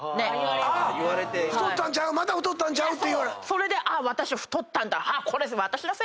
それで私太ったんだ。